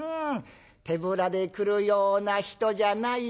手ぶらで来るような人じゃないと思うよ。